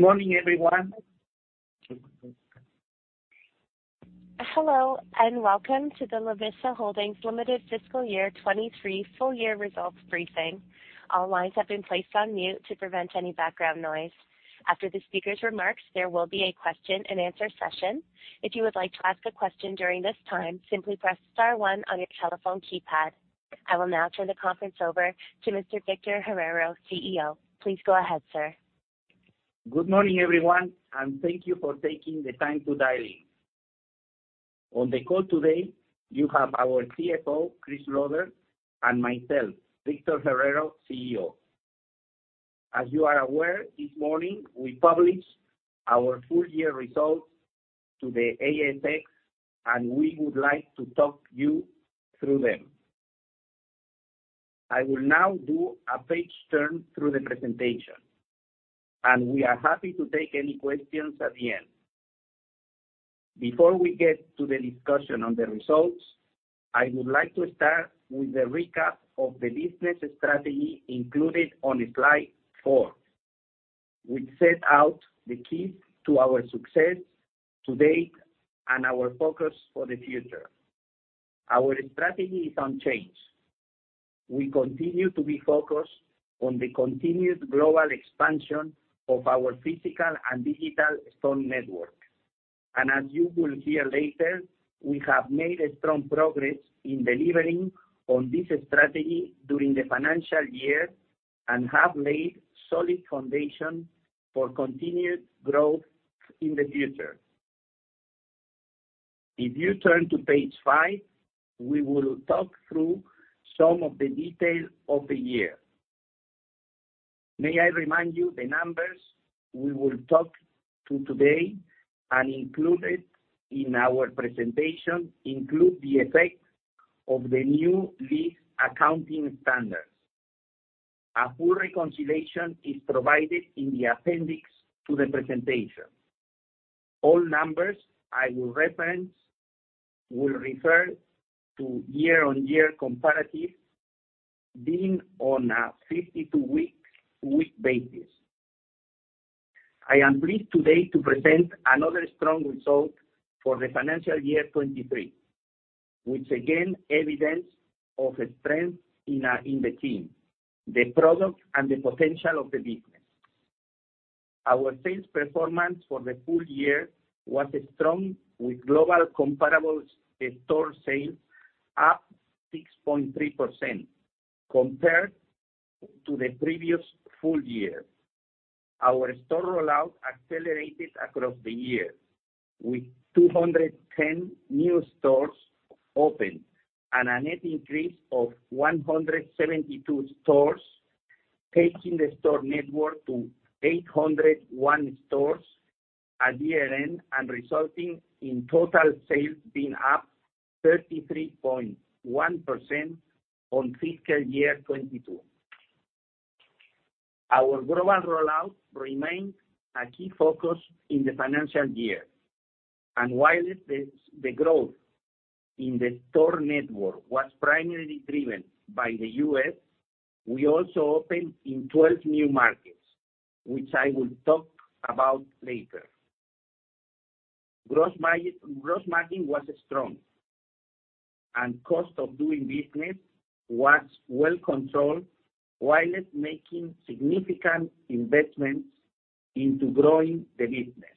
Good morning, everyone! Hello, and welcome to the Lovisa Holdings Limited Fiscal Year 2023 Full Year Results Briefing. All lines have been placed on mute to prevent any background noise. After the speaker's remarks, there will be a question-and-answer session. If you would like to ask a question during this time, simply press star one on your telephone keypad. I will now turn the conference over to Mr. Victor Herrero, CEO. Please go ahead, sir. Good morning, everyone, and thank you for taking the time to dial in. On the call today, you have our CFO, Chris Lauder, and myself, Victor Herrero, CEO. As you are aware, this morning we published our full year results to the ASX, and we would like to talk you through them. I will now do a page turn through the presentation, and we are happy to take any questions at the end. Before we get to the discussion on the results, I would like to start with a recap of the business strategy included on slide four, which set out the keys to our success to date and our focus for the future. Our strategy is unchanged. We continue to be focused on the continued global expansion of our physical and digital store network. As you will hear later, we have made a strong progress in delivering on this strategy during the financial year and have laid solid foundation for continued growth in the future. If you turn to page 5, we will talk through some of the details of the year. May I remind you, the numbers we will talk to today and included in our presentation include the effect of the new lease accounting standards. A full reconciliation is provided in the appendix to the presentation. All numbers I will reference will refer to year-on-year comparative, being on a 52-week week basis. I am pleased today to present another strong result for the financial year 2023, which again evidence of strength in the team, the product, and the potential of the business. Our sales performance for the full year was strong, with global comparable store sales up 6.3% compared to the previous full year. Our store rollout accelerated across the year, with 210 new stores opened and a net increase of 172 stores, taking the store network to 801 stores at year-end and resulting in total sales being up 33.1% on fiscal year 2022. Our global rollout remained a key focus in the financial year, and while the growth in the store network was primarily driven by the U.S., we also opened in 12 new markets, which I will talk about later. Gross margin was strong, and cost of doing business was well controlled while making significant investments into growing the business.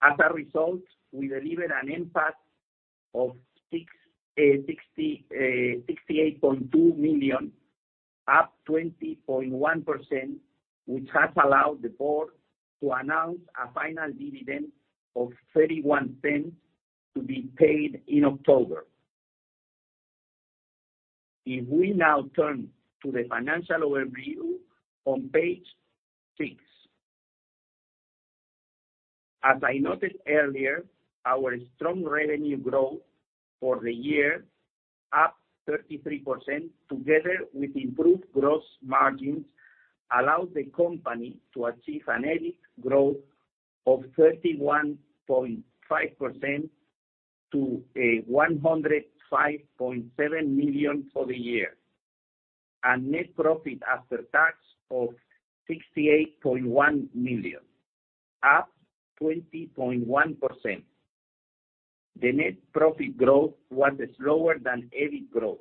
As a result, we delivered an NPAT of 68.2 million, up 20.1%, which has allowed the board to announce a final dividend of 0.31 to be paid in October. If we now turn to the financial overview on page 6. As I noted earlier, our strong revenue growth for the year, up 33%, together with improved gross margins, allowed the company to achieve an EBIT growth of 31.5% to 105.7 million for the year, and net profit after tax of 68.1 million, up 20.1%. The net profit growth was slower than EBIT growth,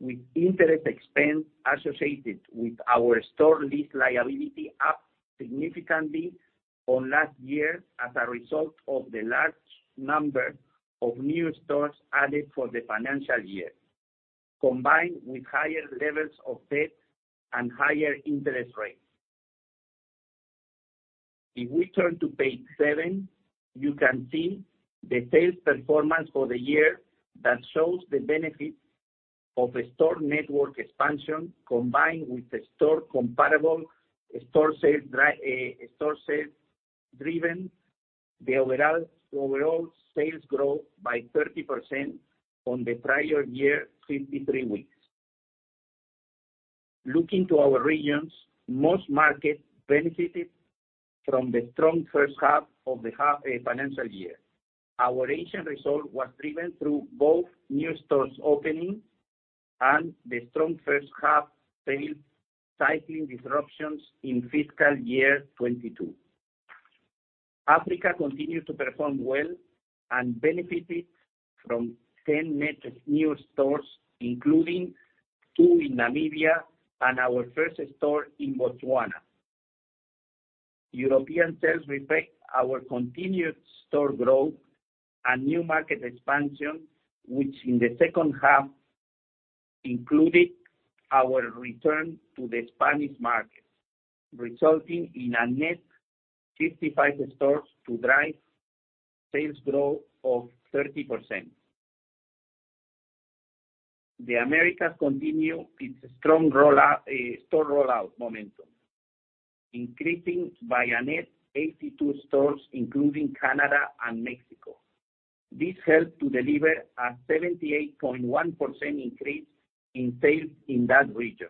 with interest expense associated with our store lease liability up significantly on last year as a result of the large number of new stores added for the financial year, combined with higher levels of debt and higher interest rates. If we turn to page 7, you can see the sales performance for the year that shows the benefit of a store network expansion, combined with the store comparable store sales, store sales driven the overall, overall sales growth by 30% on the prior year, 53 weeks. Looking to our regions, most markets benefited from the strong first half of the half, financial year. Our Asian result was driven through both new stores opening and the strong first half sales cycling disruptions in fiscal year 2022. Africa continued to perform well and benefited from 10 net new stores, including 2 in Namibia and our first store in Botswana. European sales reflect our continued store growth and new market expansion, which in the second half included our return to the Spanish market, resulting in a net 55 stores to drive sales growth of 30%. The Americas continue its strong rollout store rollout momentum, increasing by a net 82 stores, including Canada and Mexico. This helped to deliver a 78.1% increase in sales in that region.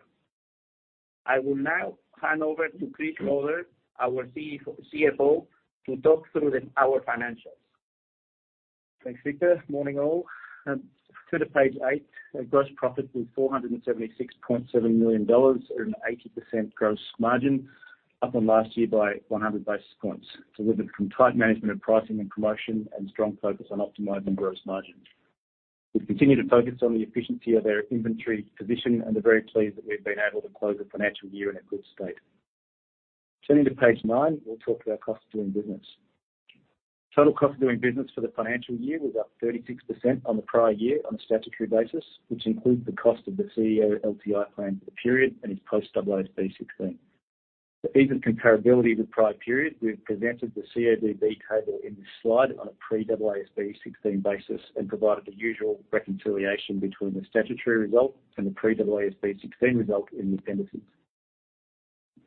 I will now hand over to Chris Lauder, our CFO, to talk through our financials. Thanks, Victor. Morning, all. Turning to page 8, our gross profit was 476.7 million dollars, or an 80% gross margin, up on last year by 100 basis points, delivered from tight management of pricing and promotion and strong focus on optimizing gross margin. We've continued to focus on the efficiency of our inventory position, and are very pleased that we've been able to close the financial year in a good state. Turning to page 9, we'll talk about cost of doing business. Total cost of doing business for the financial year was up 36% on the prior year on a statutory basis, which includes the cost of the CEO LTI plan for the period and its post AASB 16. For ease of comparability with the prior period, we've presented the CODB table in this slide on a pre-AASB 16 basis, and provided the usual reconciliation between the statutory result and the pre-AASB 16 result in the appendix.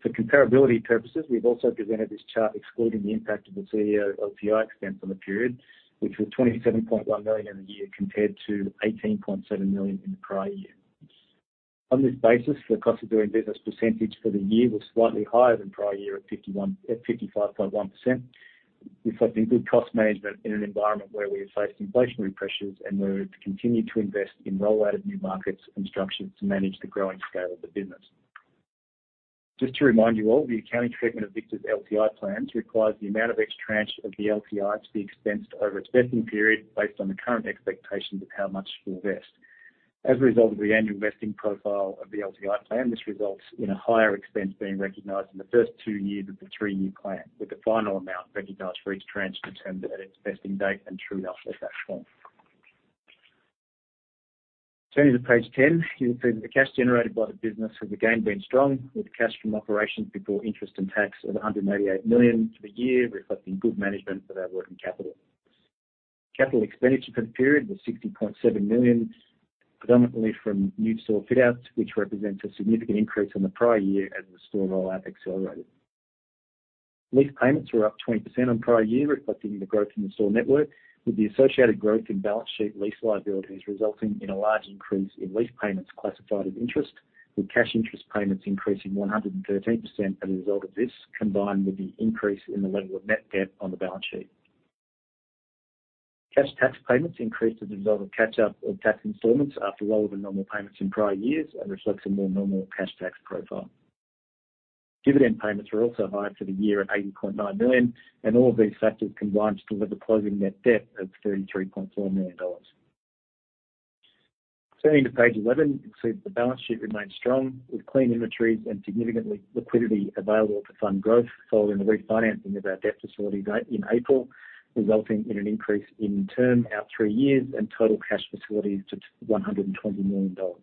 For comparability purposes, we've also presented this chart excluding the impact of the CEO LTI expense on the period, which was 27.1 million in the year, compared to 18.7 million in the prior year. On this basis, the cost of doing business percentage for the year was slightly higher than prior year at 55.1%, reflecting good cost management in an environment where we have faced inflationary pressures, and where we've continued to invest in rollout of new markets and structures to manage the growing scale of the business. Just to remind you all, the accounting treatment of Victor's LTI plans requires the amount of each tranche of the LTI to be expensed over its vesting period, based on the current expectations of how much he will vest. As a result of the annual vesting profile of the LTI plan, this results in a higher expense being recognized in the first two years of the three-year plan, with the final amount recognized for each tranche determined at its vesting date, and true up at that point. Turning to page 10, you'll see that the cash generated by the business has again been strong, with cash from operations before interest and tax of 188 million for the year, reflecting good management of our working capital. Capital expenditure for the period was 60.7 million, predominantly from new store fit outs, which represents a significant increase on the prior year as the store rollout accelerated. Lease payments were up 20% on prior year, reflecting the growth in the store network, with the associated growth in balance sheet lease liabilities resulting in a large increase in lease payments classified as interest, with cash interest payments increasing 113% as a result of this, combined with the increase in the level of net debt on the balance sheet. Cash tax payments increased as a result of catch-up of tax installments after lower than normal payments in prior years, and reflects a more normal cash tax profile. Dividend payments were also high for the year at 80.9 million, and all of these factors combined to deliver closing net debt of 33.4 million dollars. Turning to page 11, you can see that the balance sheet remains strong, with clean inventories and significant liquidity available to fund growth, following the refinancing of our debt facility date in April, resulting in an increase in term out three years and total cash facilities to 120 million dollars.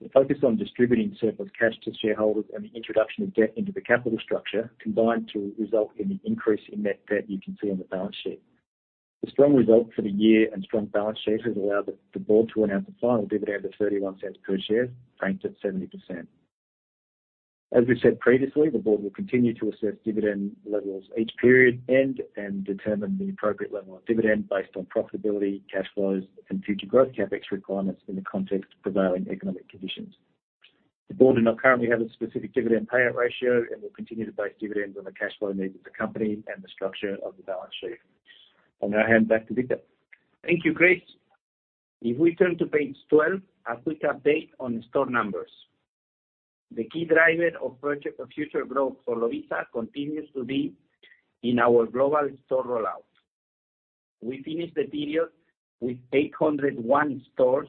The focus on distributing surplus cash to shareholders and the introduction of debt into the capital structure combined to result in the increase in net debt you can see on the balance sheet. The strong result for the year and strong balance sheet has allowed the board to announce a final dividend of 0.31 per share, franked at 70%. As we said previously, the board will continue to assess dividend levels each period end, and determine the appropriate level of dividend based on profitability, cash flows, and future growth CapEx requirements in the context of prevailing economic conditions. The board do not currently have a specific dividend payout ratio, and will continue to base dividends on the cash flow needs of the company and the structure of the balance sheet. I'll now hand back to Victor. Thank you, Chris. If we turn to page 12, a quick update on the store numbers. The key driver of project of future growth for Lovisa continues to be in our global store rollout. We finished the period with 801 stores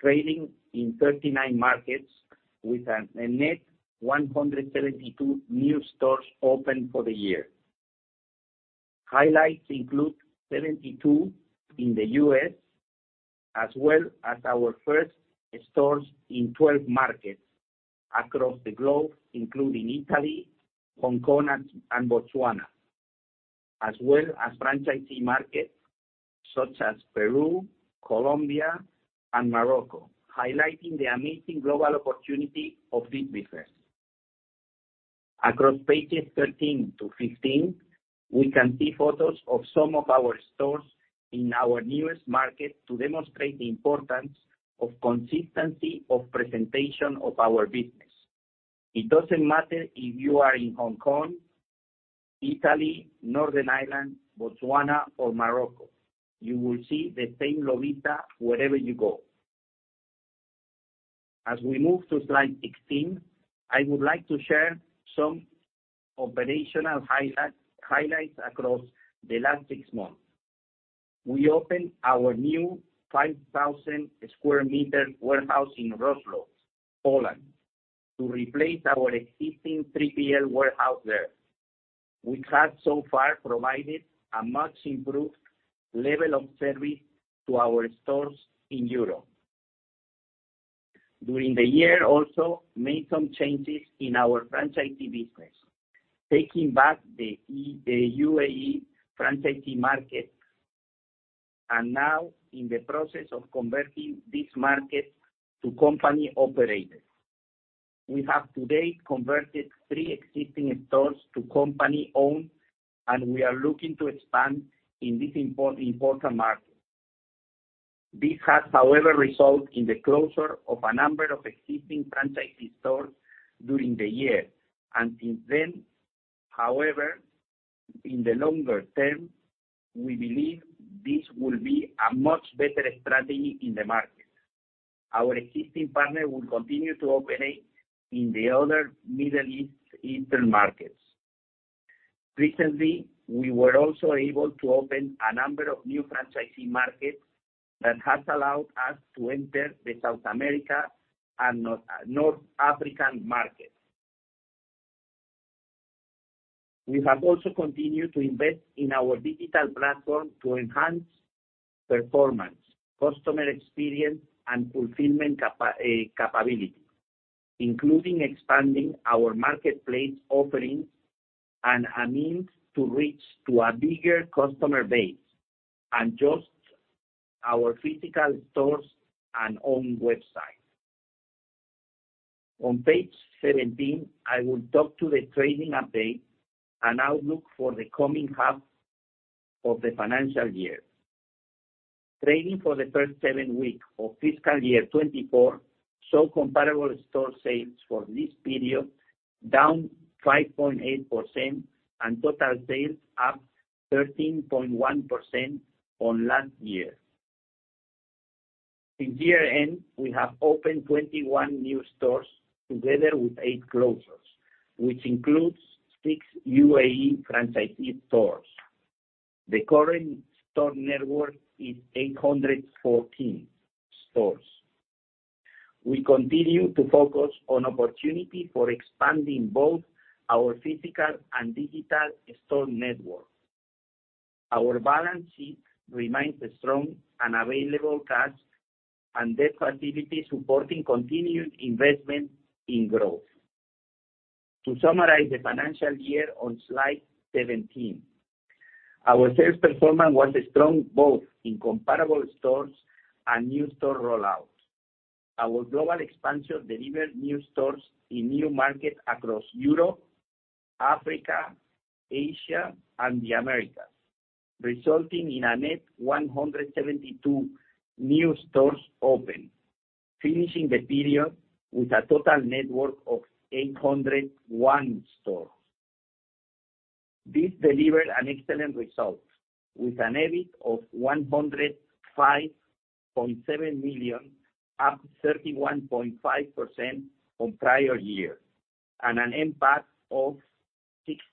trading in 39 markets, with a net 172 new stores opened for the year. Highlights include 72 in the US, as well as our first stores in 12 markets across the globe, including Italy, Hong Kong, and Botswana, as well as franchisee markets such as Peru, Colombia, and Morocco, highlighting the amazing global opportunity of this business. Across pages 13-15, we can see photos of some of our stores in our newest market to demonstrate the importance of consistency of presentation of our business. It doesn't matter if you are in Hong Kong, Italy, Northern Ireland, Botswana, or Morocco, you will see the same Lovisa wherever you go. As we move to slide 16, I would like to share some operational highlights across the last six months. We opened our new 5,000 square meter warehouse in Wrocław, Poland, to replace our existing 3PL warehouse there, which has so far provided a much improved level of service to our stores in Europe. During the year, also made some changes in our franchisee business, taking back the UAE franchisee market, and now in the process of converting this market to company operated. We have to date converted three existing stores to company-owned, and we are looking to expand in this important market. This has, however, resulted in the closure of a number of existing franchisee stores during the year. And since then, however, in the longer term, we believe this will be a much better strategy in the market. Our existing partner will continue to operate in the other Middle East, eastern markets. Recently, we were also able to open a number of new franchisee markets that has allowed us to enter the South America and North African market. We have also continued to invest in our digital platform to enhance performance, customer experience, and fulfillment capa, capability, including expanding our marketplace offerings and a means to reach to a bigger customer base, and just our physical stores and own website. On page 17, I will talk to the trading update and outlook for the coming half of the financial year. Trading for the first 7 weeks of fiscal year 2024 saw comparable store sales for this period, down 5.8%, and total sales up 13.1% on last year. At year-end, we have opened 21 new stores, together with 8 closures, which includes 6 UAE franchisee stores. The current store network is 814 stores. We continue to focus on opportunity for expanding both our physical and digital store network. Our balance sheet remains strong, and available cash and debt facilities supporting continued investment in growth. To summarize the financial year on slide 17, our sales performance was strong, both in comparable stores and new store rollouts. Our global expansion delivered new stores in new markets across Europe, Africa, Asia, and the Americas, resulting in a net 172 new stores open, finishing the period with a total network of 801 stores. This delivered an excellent result, with an EBIT of 105.7 million, up 31.5% on prior year, and an NPAT of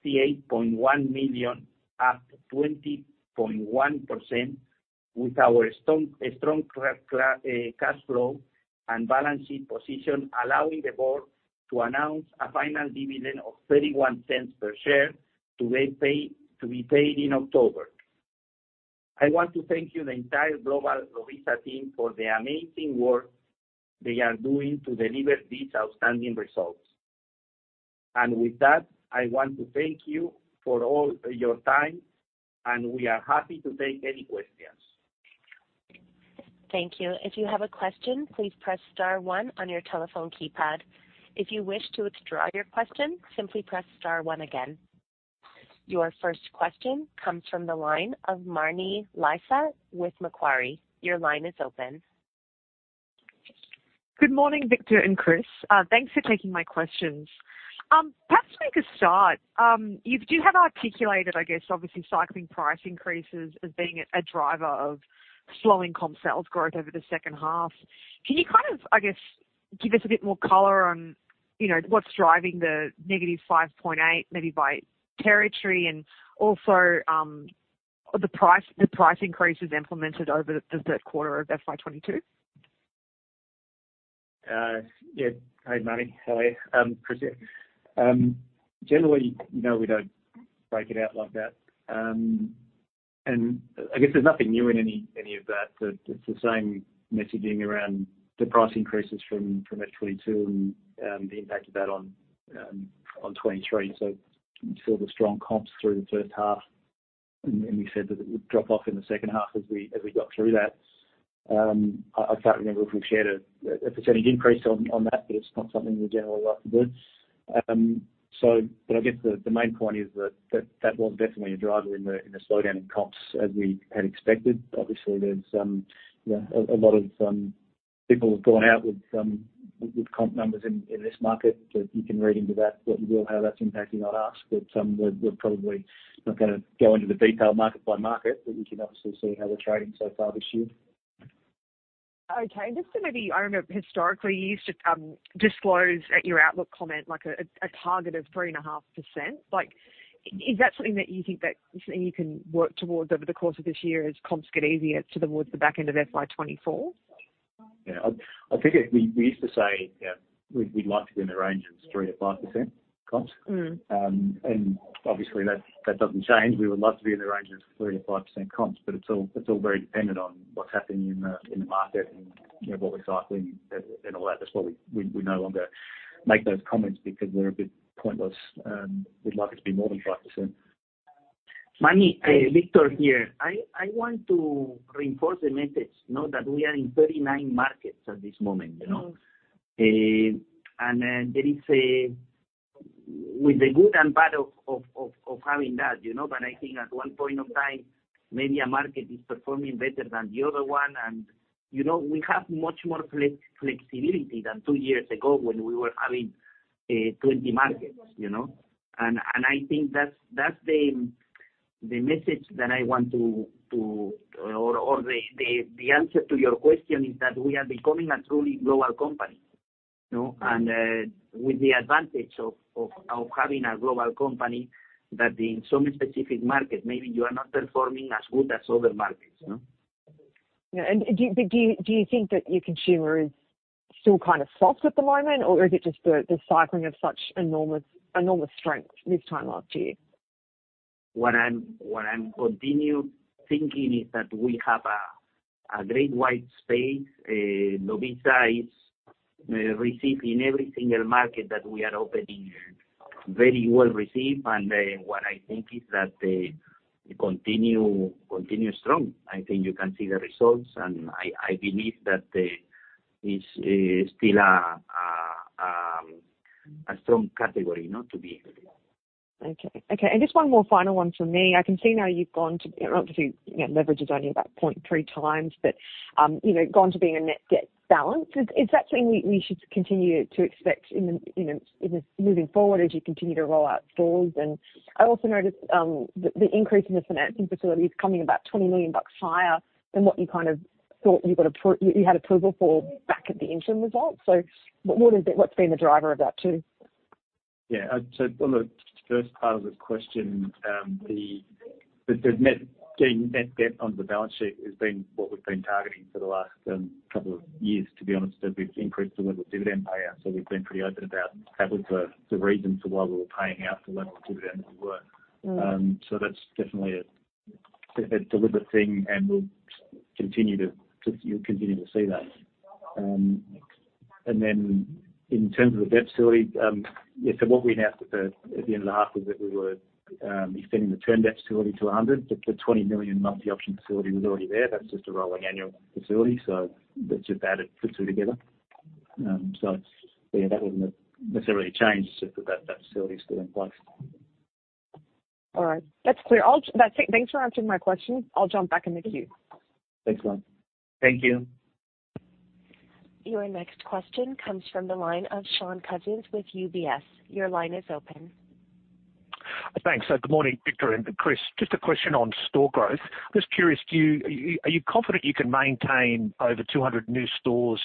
68.1 million, up 20.1%, with our strong cash flow and balance sheet position, allowing the board to announce a final dividend of 0.31 per share to be paid in October. I want to thank you, the entire global Lovisa team, for the amazing work they are doing to deliver these outstanding results. With that, I want to thank you for all your time, and we are happy to take any questions. Thank you. If you have a question, please press star one on your telephone keypad. If you wish to withdraw your question, simply press star one again. Your first question comes from the line of Marni Lysaght with Macquarie. Your line is open. Good morning, Victor and Chris. Thanks for taking my questions. Perhaps make a start. You do have articulated, I guess, obviously, cycling price increases as being a, a driver of slowing comp sales growth over the second half. Can you kind of, I guess, give us a bit more color on, you know, what's driving the -5.8, maybe by territory and also the price increases implemented over the third quarter of FY 2022? Yeah. Hi, Marni. How are you? Chris here. Generally, you know, we don't break it out like that. And I guess there's nothing new in any, any of that. It's the same messaging around the price increases from, from FY 2022 and, the impact of that on, on 2023. So we saw the strong comps through the first half, and, and we said that it would drop off in the second half as we, as we got through that.... I can't remember if we've shared a percentage increase on that, but it's not something we generally like to do. But I guess the main point is that that was definitely a driver in the slowdown in comps, as we had expected. Obviously, there's you know a lot of people have gone out with comp numbers in this market, so you can read into that what we will have that's impacting on us. But we're probably not gonna go into the detailed market by market, but we can obviously see how we're trading so far this year. Okay. Just so maybe I remember historically, you used to disclose at your outlook comment, like a target of 3.5%. Like, is that something that you think that you can work towards over the course of this year as comps get easier towards the back end of FY 2024? Yeah, I think it—we used to say, yeah, we'd like to be in the range of 3%-5% comps. Mm. And obviously, that doesn't change. We would love to be in the range of 3%-5% comps, but it's all very dependent on what's happening in the market and, you know, what we're cycling and all that. That's why we no longer make those comments because they're a bit pointless. We'd like it to be more than 5%. Marni, Victor here. I want to reinforce the message, you know, that we are in 39 markets at this moment, you know. Mm. and then there is with the good and bad of having that, you know, but I think at one point of time, maybe a market is performing better than the other one. And, you know, we have much more flexibility than two years ago when we were having 20 markets, you know? And I think that's the message that I want to... Or, the answer to your question is that we are becoming a truly global company, you know? And with the advantage of having a global company, that in some specific market, maybe you are not performing as good as other markets, you know. Yeah, and do you think that your consumer is still kind of soft at the moment, or is it just the cycling of such enormous, enormous strength this time last year? What I continue thinking is that we have a great wide space. Lovisa is received in every single market that we are opening, very well received. What I think is that they continue strong. I think you can see the results, and I believe that is still a strong category, you know, to be. Okay. Okay, and just one more final one from me. I can see now you've gone to, obviously, you know, leverage is only about 0.3x, but, you know, gone to being a net debt balance. Is that something we should continue to expect in the, you know, in the-- moving forward as you continue to roll out stores? And I also noticed, the, the increase in the financing facilities coming about 20 million bucks higher than what you kind of thought you got approval for back at the interim results. So what is it-- what's been the driver of that, too? Yeah, so on the first part of the question, the getting net debt onto the balance sheet has been what we've been targeting for the last couple of years, to be honest, but we've increased the level of dividend payout, so we've been pretty open about that was the reason for why we were paying out the level of dividend we were. Mm. So that's definitely a deliberate thing, and we'll continue to—you'll continue to see that. And then in terms of the debt facility, yeah, so what we announced at the end of the half was that we were extending the term debt facility to 100 million, but the 20 million multi-option facility was already there. That's just a rolling annual facility, so let's just add it the two together. So yeah, that wouldn't necessarily change, so that facility is still in place. All right. That's clear. I'll... That's it. Thanks for answering my question. I'll jump back in the queue. Thanks, maam. Thank you. Your next question comes from the line of Shaun Cousins with UBS. Your line is open. Thanks. So good morning, Victor and Chris. Just a question on store growth. Just curious, do you—are you confident you can maintain over 200 new stores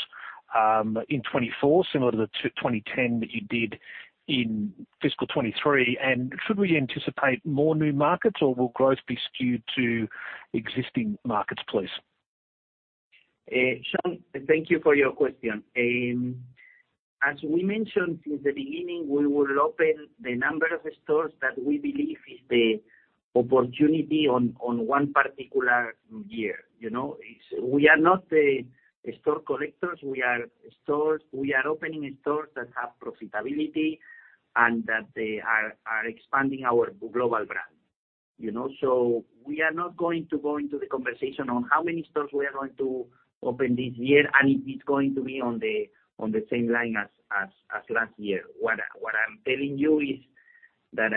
in 2024, similar to the 210 that you did in fiscal 2023? And should we anticipate more new markets, or will growth be skewed to existing markets, please? Sean, thank you for your question. As we mentioned from the beginning, we will open the number of stores that we believe is the opportunity on, on one particular year, you know? It's-- we are not store collectors, we are stores-- we are opening stores that have profitability and that they are expanding our global brand, you know? So we are not going to go into the conversation on how many stores we are going to open this year, and it's going to be on the same line as last year. What I'm telling you is that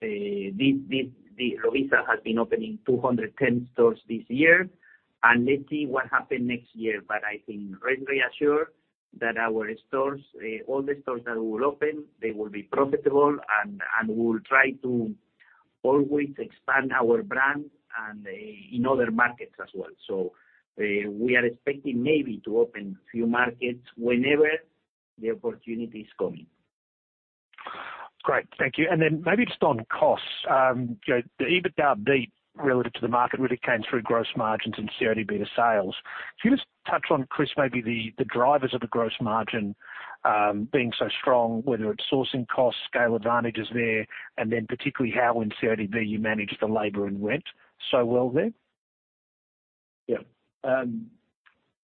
the Lovisa has been opening 210 stores this year, and let's see what happen next year. But I can reassure that our stores, all the stores that will open, they will be profitable, and we will try to always expand our brand and in other markets as well. So, we are expecting maybe to open a few markets whenever the opportunity is coming. Great. Thank you. And then maybe just on costs, you know, the EBITDA beat relative to the market really came through gross margins and CODB sales. Can you just touch on, Chris, maybe the drivers of the gross margin being so strong, whether it's sourcing costs, scale advantages there, and then particularly how in CODB you managed the labor and rent so well there? Yeah.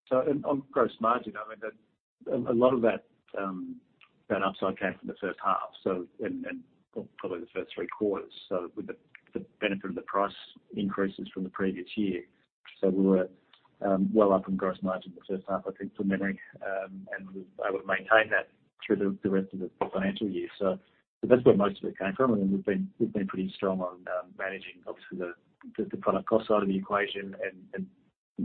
So and on gross margin, I mean, that a lot of that, that upside came from the first half, so and, and probably the first three quarters. So with the, the benefit of the price increases from the previous year. So we were, well up in gross margin in the first half, I think, for many, and we were able to maintain that through the, the rest of the financial year. So that's where most of it came from. And we've been, we've been pretty strong on, managing obviously the, the product cost side of the equation and,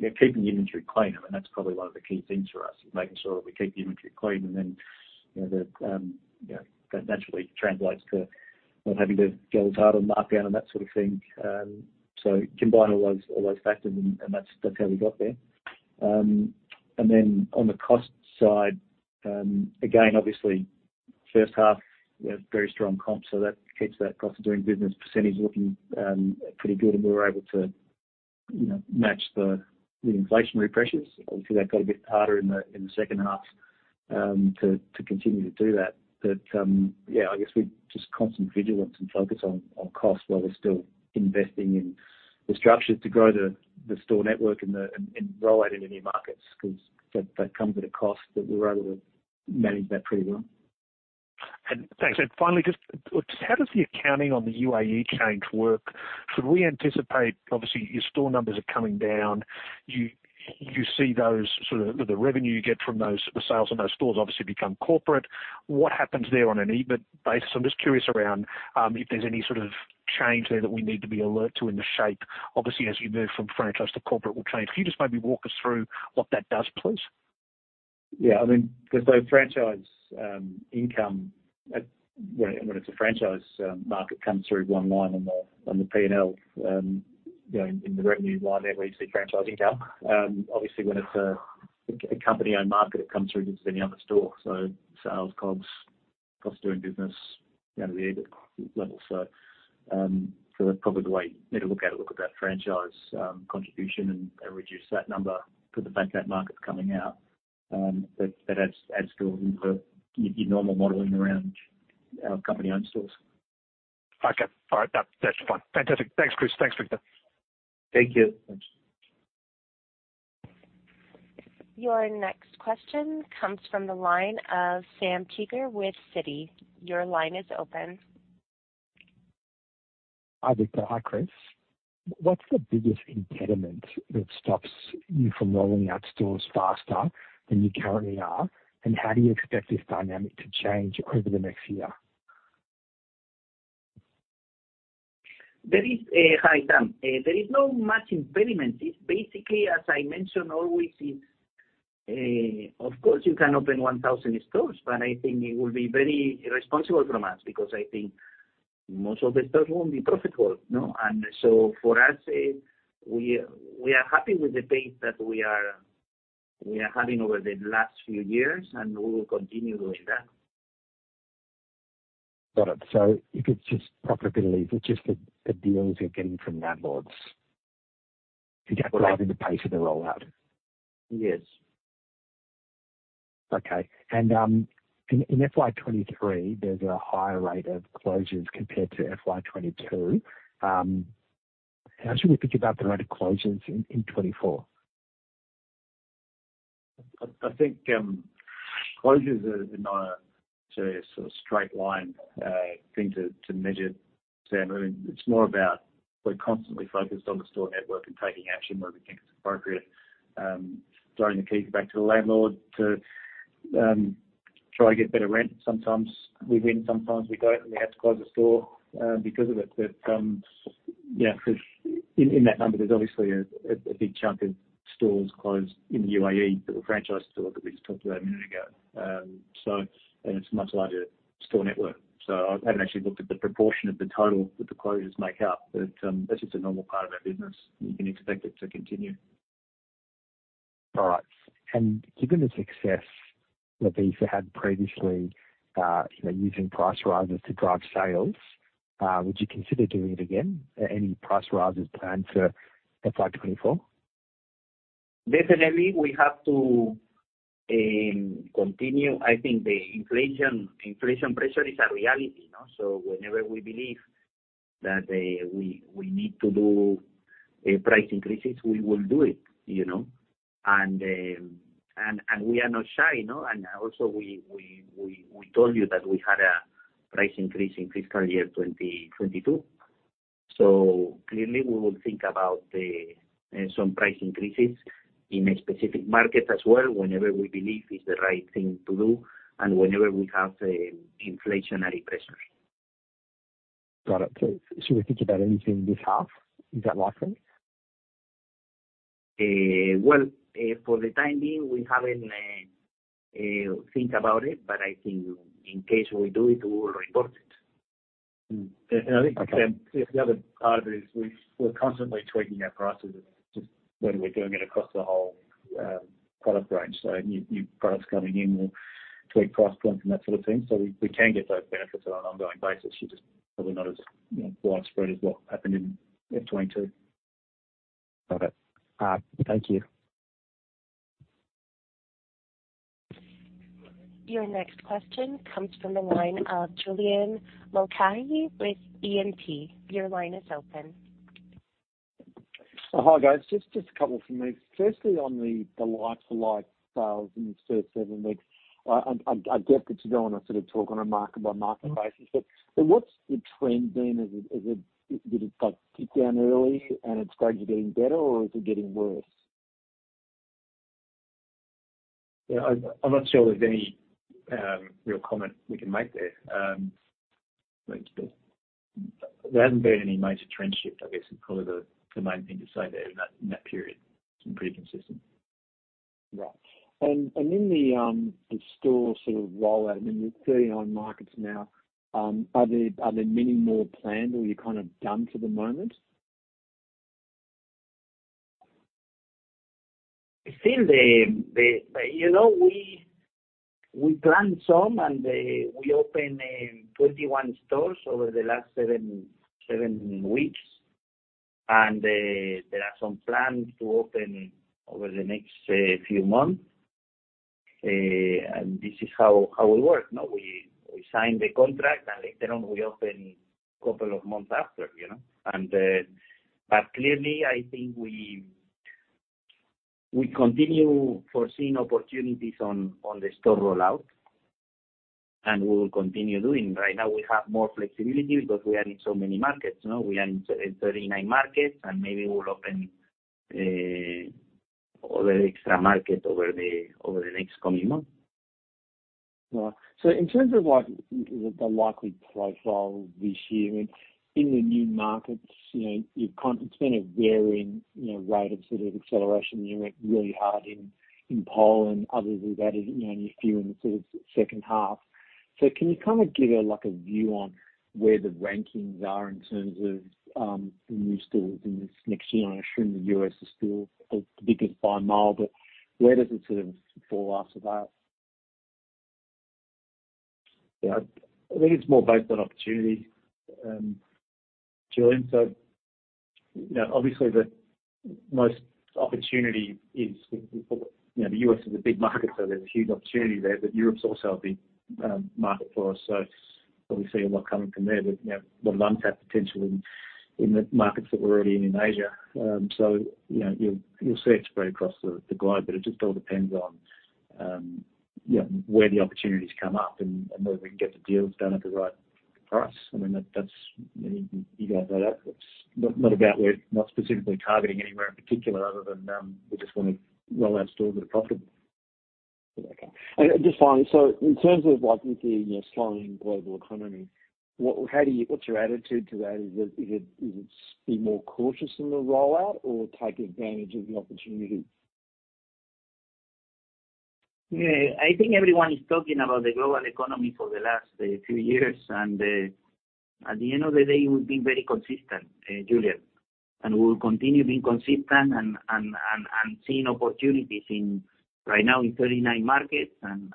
and keeping the inventory clean. That's probably one of the key things for us, making sure that we keep the inventory clean and then, you know, that naturally translates to not having to go as hard on markdown and that sort of thing. So combine all those factors and that's how we got there. And then on the cost side, again, obviously, first half, we had very strong comp, so that keeps that cost of doing business percentage looking pretty good. And we were able to, you know, match the inflationary pressures. Obviously, that got a bit harder in the second half to continue to do that. But, yeah, I guess with just constant vigilance and focus on cost, while we're still investing in the structure to grow the store network and rolling out into new markets, because that comes at a cost that we were able to manage that pretty well. Thanks. Finally, just, just how does the accounting on the UAE change work? Should we anticipate, obviously, your store numbers are coming down. You, you see those sort of the revenue you get from those, the sales on those stores obviously become corporate. What happens there on an EBIT basis? I'm just curious around, if there's any sort of change there that we need to be alert to in the shape. Obviously, as you move from franchise to corporate will change. Can you just maybe walk us through what that does, please? Yeah, I mean, because those franchise income, when it's a franchise market comes through one line on the P&L, you know, in the revenue line there, where you see franchise income. Obviously, when it's a company-owned market, it comes through just any other store. So sales, COGS, cost of doing business, down to the EBIT level. So, that's probably the way you need to look at it, look at that franchise contribution and reduce that number for the UAE market coming out. That adds to your normal modeling around our company-owned stores. Okay. All right. That, that's fine. Fantastic. Thanks, Chris. Thanks, Victor. Thank you. Thanks. Your next question comes from the line of Sam Teeger with Citi. Your line is open. Hi, Victor. Hi, Chris. What's the biggest impediment that stops you from rolling out stores faster than you currently are? And how do you expect this dynamic to change over the next year? Hi, Sam. There is no much impediment. It's basically, as I mentioned, always is, of course, you can open 1,000 stores, but I think it will be very irresponsible from us, because I think most of the stores won't be profitable, no? And so for us, we are happy with the pace that we are having over the last few years, and we will continue doing that. Got it. So you could just profitability, just the deals you're getting from landlords- Correct. to drive the pace of the rollout? Yes. Okay. In FY 2023, there's a higher rate of closures compared to FY 2022. How should we think about the rate of closures in 2024? I think closures are not a sort of straight line thing to measure, Sam. I mean, it's more about we're constantly focused on the store network and taking action where we think it's appropriate, throwing the keys back to the landlord to try and get better rent. Sometimes we win, sometimes we don't, and we have to close the store because of it. But yeah, 'cause in that number, there's obviously a big chunk of stores closed in the UAE that were franchised. So like we just talked about a minute ago. So and it's a much larger store network. So I haven't actually looked at the proportion of the total that the closures make up, but that's just a normal part of our business. You can expect it to continue. All right. And given the success that you've had previously, you know, using price rises to drive sales, would you consider doing it again? Any price rises planned for FY 2024? Definitely, we have to continue. I think the inflation, inflation pressure is a reality, you know, so whenever we believe that, we need to do price increases, we will do it, you know? And we are not shy, you know, and also we told you that we had a price increase in fiscal year 2022. So clearly, we will think about the some price increases in a specific market as well, whenever we believe is the right thing to do and whenever we have inflationary pressures. Got it. So should we think about anything this half? Is that likely? Well, for the time being, we haven't think about it, but I think in case we do it, we will report it. Mm. I think- Okay. The other part of it is we, we're constantly tweaking our prices just when we're doing it across the whole product range. So new, new products coming in, we'll tweak price points and that sort of thing. So we, we can get those benefits on an ongoing basis, just probably not as, you know, widespread as what happened in FY 2022. Got it. All right. Thank you.... Your next question comes from the line of Julian Mulcahy with E&P. Your line is open. Hi, guys. Just a couple from me. Firstly, on the like-for-like sales in the first seven weeks, I get that you don't want to sort of talk on a market-by-market basis, but what's the trend been? Is it, did it like dip down early and it's gradually getting better, or is it getting worse? Yeah, I'm not sure there's any real comment we can make there. There hasn't been any major trend shift, I guess, is probably the main thing to say there in that period. It's been pretty consistent. Right. And in the store sort of rollout, I mean, you're 39 markets now, are there many more planned, or are you kind of done for the moment? I think—you know, we planned some, and we opened 21 stores over the last 7 weeks, and there are some plans to open over the next few months. And this is how we work, no? We sign the contract and later on, we open couple of months after, you know. And then, but clearly, I think we continue foreseeing opportunities on the store rollout, and we will continue doing. Right now, we have more flexibility because we are in so many markets, no? We are in 39 markets, and maybe we will open other extra market over the next coming months. Right. So in terms of like the likely profile this year, in the new markets, you know, it's been a varying, you know, rate of sort of acceleration. You went really hard in Poland and others, we've added, you know, only a few in the sort of second half. So can you kind of give us like a view on where the rankings are in terms of the new stores in this next year? I assume the U.S. is still the biggest by a mile, but where does it sort of fall after that? Yeah, I think it's more based on opportunity, Julian. So, you know, obviously the most opportunity is, you know, the U.S. is a big market, so there's a huge opportunity there, but Europe's also a big market for us, so obviously, a lot coming from there. But, you know, the ones that potentially in the markets that we're already in Asia, so, you know, you'll see it spread across the globe, but it just all depends on, you know, where the opportunities come up and whether we can get the deals done at the right price. I mean, that's, you guys know that. It's not about we're not specifically targeting anywhere in particular other than we just want to roll out stores that are profitable. Okay. Just finally, so in terms of, like, with the, you know, slowing global economy, what's your attitude to that? Is it to be more cautious in the rollout or take advantage of the opportunity? Yeah, I think everyone is talking about the global economy for the last few years, and at the end of the day, we've been very consistent, Julian, and we will continue being consistent and seeing opportunities right now in 39 markets, and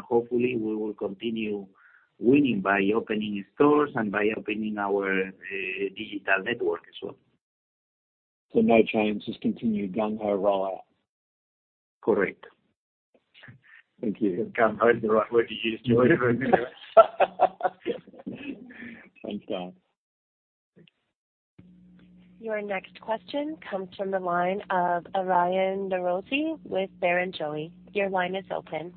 hopefully we will continue winning by opening stores and by opening our digital network as well. No changes, continue gung-ho rollout? Correct. Thank you. Gung-ho is the right word to use, Julian. Thanks, guys. Your next question comes from the line of Aryan Norozi with Barrenjoey. Your line is open.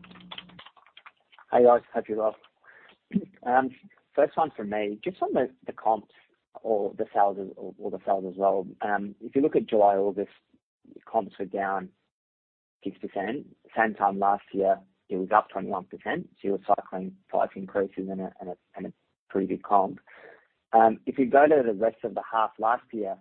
Hi, guys. Hope you're well. First one from me. Just on the comps or the sales, or the sales as well. If you look at July, August, comps were down 6%. Same time last year, it was up 21%, so you're cycling price increases and a pretty good comp. If you go to the rest of the half last year,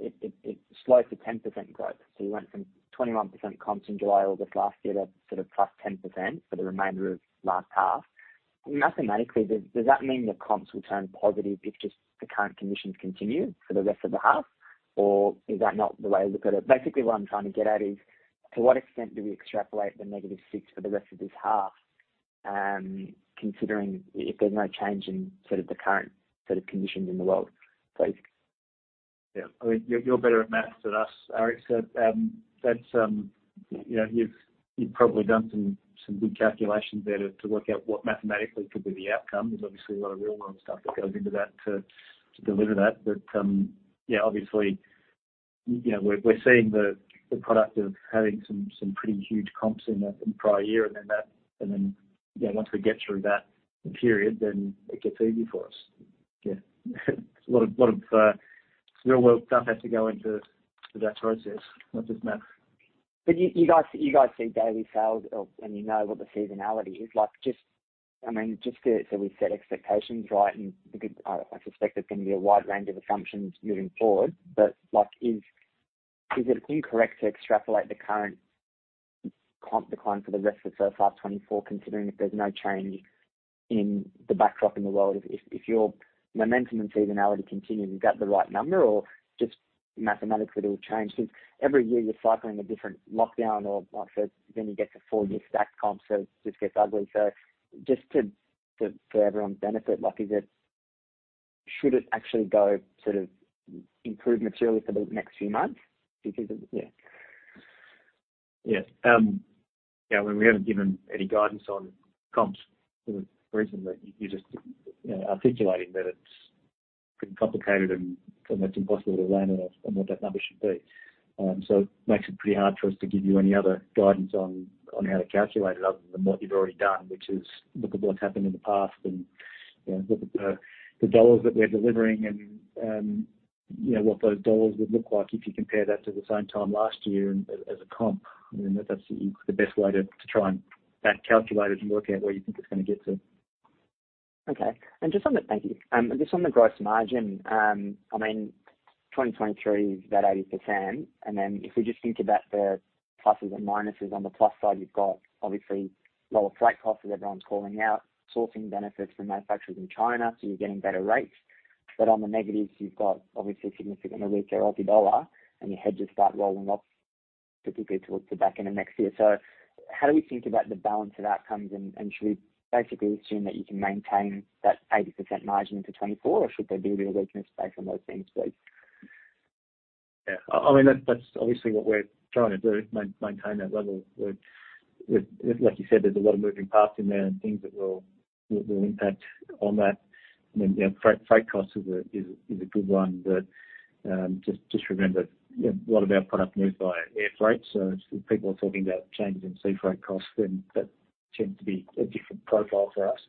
it slowed to 10% growth. So you went from 21% comps in July, August last year to sort of +10% for the remainder of last half. Mathematically, does that mean the comps will turn positive if just the current conditions continue for the rest of the half, or is that not the way to look at it? Basically, what I'm trying to get at is, to what extent do we extrapolate the -6 for the rest of this half, considering if there's no change in sort of the current sort of conditions in the world, please? Yeah. I mean, you're better at math than us, Aryan. So, that's, you know, you've probably done some good calculations there to work out what mathematically could be the outcome. There's obviously a lot of real-world stuff that goes into that to deliver that. But, yeah, obviously, you know, we're seeing the product of having some pretty huge comps in the prior year, and then, you know, once we get through that period, then it gets easy for us. Yeah, it's a lot of real-world stuff has to go into that process, not just math. But you, you guys, you guys see daily sales of and you know what the seasonality is like. Just, I mean, just so we set expectations right, and because I, I suspect there's going to be a wide range of assumptions moving forward, but like, is, is it incorrect to extrapolate the current comp decline for the rest of the first half 2024, considering if there's no change in the backdrop in the world? If, if, if your momentum and seasonality continues, is that the right number or just mathematically it will change? Because every year you're cycling a different lockdown or like I said, then you get to four-year stacked comp, so it just gets ugly. So just to, to, for everyone's benefit, like, is it... should it actually go sort of improve materially for the next few months because of, yeah. Yeah. Yeah, when we haven't given any guidance on comps recently, you're just, you know, articulating that it's been complicated and it's impossible to land on what that number should be. So it makes it pretty hard for us to give you any other guidance on how to calculate it other than what you've already done, which is look at what's happened in the past and, you know, look at the dollars that we're delivering and, you know, what those dollars would look like if you compare that to the same time last year as a comp. I mean, that's the best way to try and back calculate it and work out where you think it's going to get to. Okay. And just on the, thank you. Just on the gross margin, I mean, 2023 is about 80%. And then if we just think about the pluses and minuses, on the plus side, you've got obviously lower freight costs that everyone's calling out, sourcing benefits from manufacturers in China, so you're getting better rates. But on the negatives, you've got obviously a significant weaker Aussie dollar, and your hedges start rolling off, particularly towards the back end of next year. So how do we think about the balance of outcomes, and should we basically assume that you can maintain that 80% margin for 2024, or should there be a real weakness based on those things, please? Yeah. I mean, that's obviously what we're trying to do, maintain that level. With—like you said, there's a lot of moving parts in there and things that will impact on that. I mean, yeah, freight costs is a good one. But just remember, a lot of our product moved by air freight, so people are talking about changes in sea freight costs, then that tends to be a different profile for us.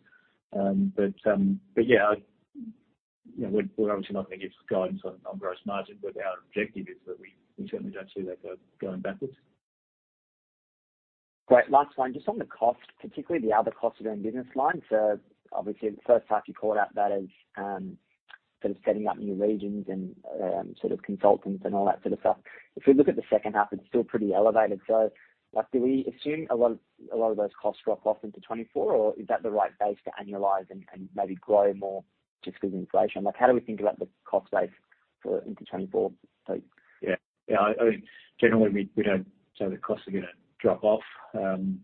But yeah, you know, we're obviously not going to give guidance on gross margin, but our objective is that we certainly don't see that going backwards. Great. Last one, just on the cost, particularly the other costs around business lines. So obviously, in the first half, you called out that as, sort of setting up new regions and, sort of consultants and all that sort of stuff. If we look at the second half, it's still pretty elevated. So like, do we assume a lot of, a lot of those costs drop off into 2024, or is that the right base to annualize and, and maybe grow more just with inflation? Like, how do we think about the cost base for into 2024? Yeah. Yeah, I mean, generally, we don't say the costs are going to drop off,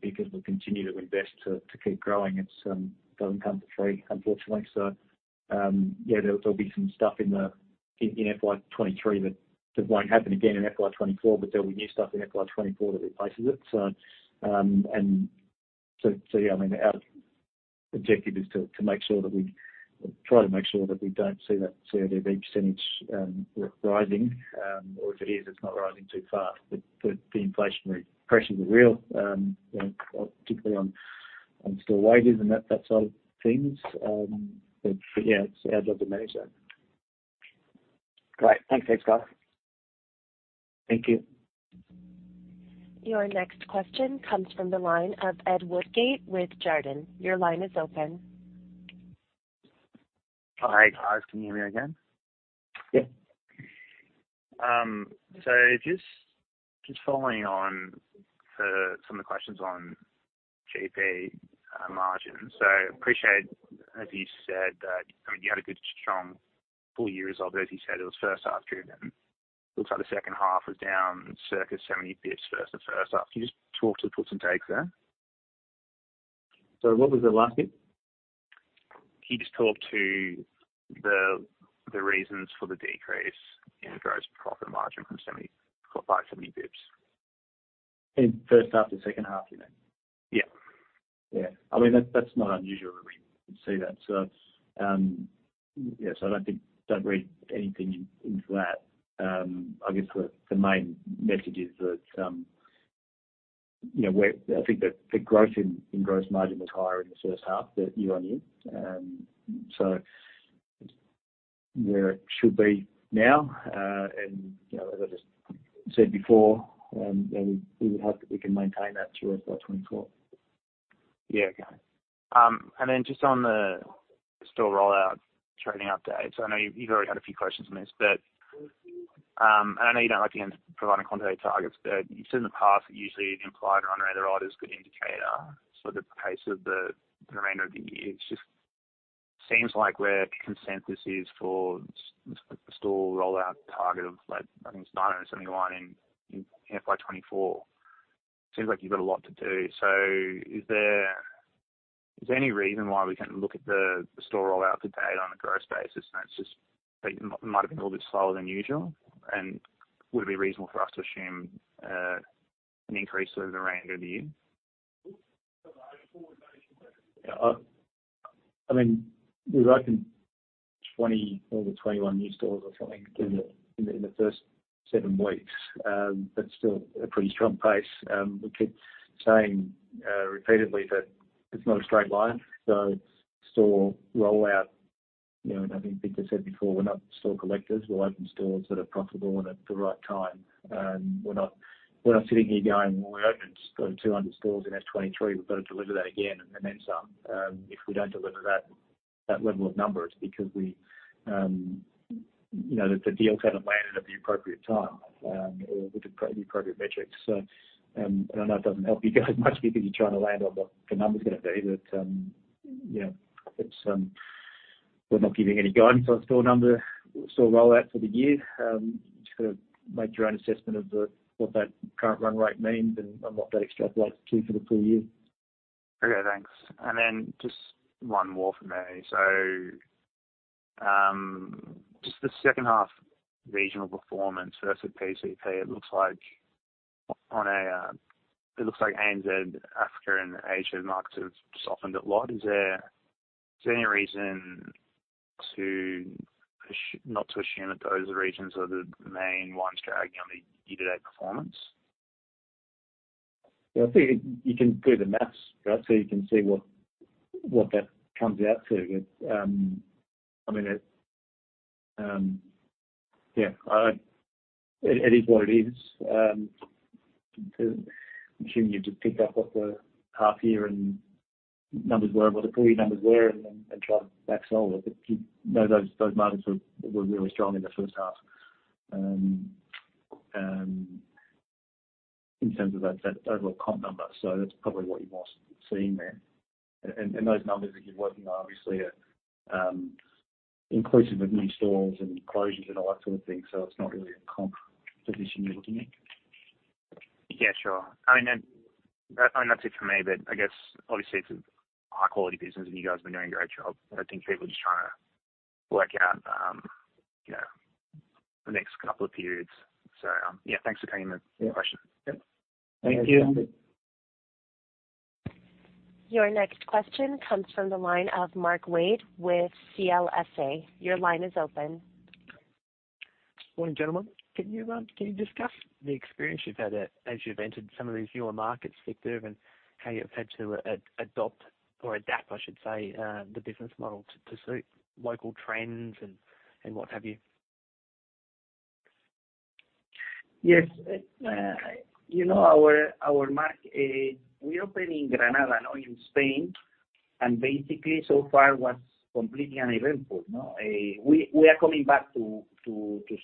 because we'll continue to invest to keep growing. It's, doesn't come for free, unfortunately. So, yeah, there'll be some stuff in the, in FY 2023 that won't happen again in FY 2024, but there'll be new stuff in FY 2024 that replaces it. So, and so, yeah, I mean, our objective is to make sure that we try to make sure that we don't see that CODB percentage rising, or if it is, it's not rising too fast. But the inflationary pressures are real, you know, particularly on store wages and that side of things. But yeah, it's our job to manage that. Great. Thanks. Thanks, guys. Thank you. Your next question comes from the line of Ed Woodgate with Jarden. Your line is open. Hi, guys. Can you hear me again? Yeah. So just, just following on to some of the questions on GP, margin. So I appreciate, as you said, that, I mean, you had a good, strong full year result. As you said, it was first half driven. Looks like the second half was down circa 70 basis points from the first half. Can you just talk to the puts and takes there? What was the last bit? Can you just talk to the reasons for the decrease in gross profit margin from 70% by 70 basis points? In first half to second half, you mean? Yeah. Yeah. I mean, that's, that's not unusual to see that. So, yeah, so I don't think—don't read anything into that. I guess the, the main message is that, you know, we're—I think that the growth in, in gross margin was higher in the first half year-on-year. So where it should be now, and, you know, as I just said before, and we, we would hope that we can maintain that through FY 2024. Yeah. Okay. And then just on the store rollout trading update. So I know you've already had a few questions on this, but, I know you don't like again, providing quantitative targets, but you've said in the past that usually the implied run rate is a good indicator for the pace of the remainder of the year. It just seems like where consensus is for store rollout target of like, I think starting at 71 in FY 2024. Seems like you've got a lot to do. So is there, is there any reason why we can look at the, the store rollout to date on a gross basis, and it's just might have been a little bit slower than usual, and would it be reasonable for us to assume, an increase over the remainder of the year? Yeah, I mean, we've opened 20 or 21 new stores or something in the first 7 weeks. That's still a pretty strong pace. We keep saying repeatedly that it's not a straight line. So store rollout, you know, I think I said before, we're not store collectors. We'll open stores that are profitable and at the right time. We're not sitting here going, "Well, we opened 200 stores in FY 2023. We've got to deliver that again and then some." If we don't deliver that, that level of numbers, it's because you know, the deals hadn't landed at the appropriate time or with the appropriate metrics. I know it doesn't help you guys much because you're trying to land on what the number's going to be, but you know, we're not giving any guidance on store number, store rollout for the year. Just got to make your own assessment of what that current run rate means and what that extrapolates to for the full year.... Okay, thanks. And then just one more for me. So, just the second half regional performance versus PCP, it looks like on a, it looks like ANZ, Africa, and Asia markets have softened a lot. Is there any reason not to assume that those regions are the main ones dragging on the year-to-date performance? Yeah, I think you can do the math, right? So you can see what that comes out to. But I mean, it is what it is. I'm assuming you just pick up what the half year numbers were, what the full year numbers were, and then try to back solve it. But you know, those markets were really strong in the first half. In terms of that overall comp number. So that's probably what you're more seeing there. And those numbers that you're working on obviously are inclusive of new stores and closures and all that sort of thing. So it's not really a comp position you're looking at. Yeah, sure. I mean, and that's it for me, but I guess obviously it's a high quality business and you guys have been doing a great job. I think people are just trying to work out, you know, the next couple of periods. So, yeah, thanks for taking the question. Yep. Thank you. Your next question comes from the line of Mark Wade with CLSA. Your line is open. Morning, gentlemen. Can you discuss the experience you've had as you've entered some of these newer markets, Victor, and how you've had to adopt or adapt, I should say, the business model to suit local trends and what have you? Yes, you know, our market, we opened in Granada, now in Spain, and basically so far was completely uneventful, no? We are coming back to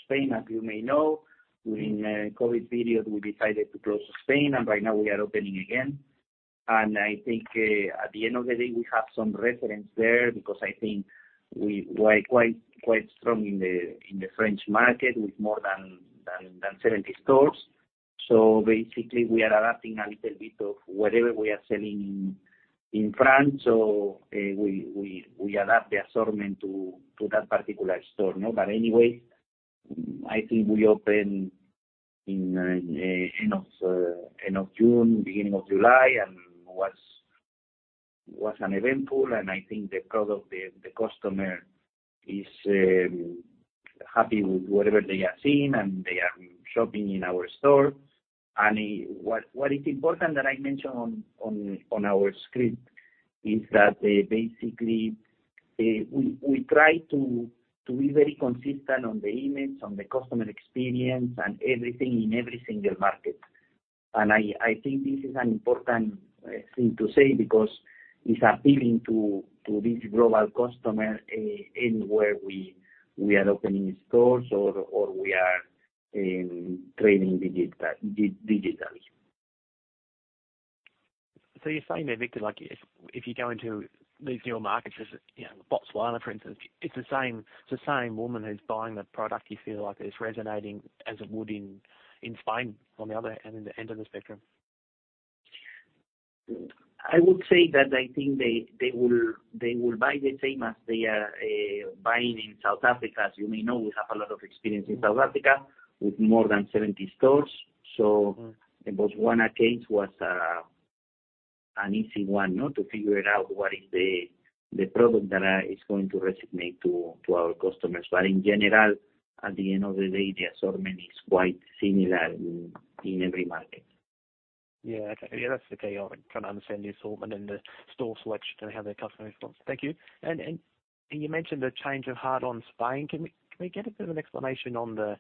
Spain. As you may know, during COVID period, we decided to close Spain, and right now we are opening again. And I think, at the end of the day, we have some reference there because I think we were quite strong in the French market with more than 70 stores. So basically we are adapting a little bit of whatever we are selling in France. So, we adapt the assortment to that particular store, you know? But anyway, I think we open in end of June, beginning of July, and was uneventful, and I think the product, the customer is happy with whatever they are seeing, and they are shopping in our store. What is important that I mentioned on our script is that they basically we try to be very consistent on the image, on the customer experience, and everything in every single market. I think this is an important thing to say because it's appealing to this global customer in where we are opening stores or we are trading digitally. So you're saying that Victor, like, if you go into these newer markets, as you know, Botswana, for instance, it's the same, it's the same woman who's buying the product, you feel like it's resonating as it would in Spain, on the other end of the spectrum? I would say that I think they will buy the same as they are buying in South Africa. As you may know, we have a lot of experience in South Africa with more than 70 stores. Mm-hmm. So the Botswana case was an easy one to figure out what is the product that is going to resonate to our customers. But in general, at the end of the day, the assortment is quite similar in every market. Yeah. Okay. Yeah, that's the key. I kind of understand the assortment and the store selection and how the customer responds. Thank you. And, and, and you mentioned a change of heart on Spain. Can we, can we get a bit of an explanation on the,